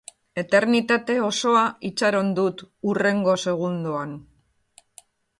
Eternitate osoa itxaron dut hurrengo segundoan.